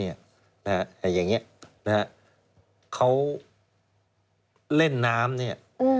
อย่างนี้เขาเล่นน้ำ